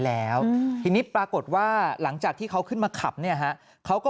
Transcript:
แล้วทีนี้ปรากฏว่าหลังจากที่เขาขึ้นมาขับเนี่ยฮะเขาก็